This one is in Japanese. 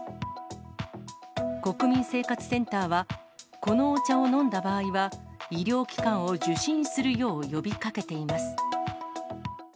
国民生活センターは、このお茶を飲んだ場合は、医療機関を受診するよう呼びかけています。